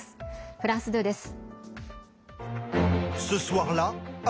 フランス２です。